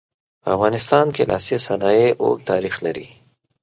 په افغانستان کې لاسي صنایع اوږد تاریخ لري.